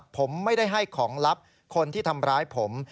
ผมไม่ได้ให้ของลับคนที่ทำร้ายผม